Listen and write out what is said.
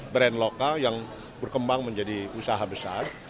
brand lokal yang berkembang menjadi usaha besar